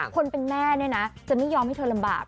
คนเป็นแม่เนี่ยนะจะไม่ยอมให้เธอลำบาก